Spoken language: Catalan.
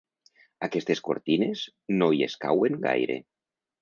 Aquestes cortines no hi escauen gaire.